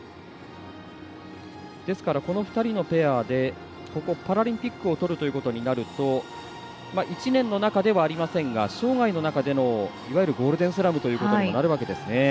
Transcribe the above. ですからこの２人のペアでパラリンピックをとるということになると１年の中ではありませんが障がいの中での、いわゆるゴールデンスラムということになるわけですね。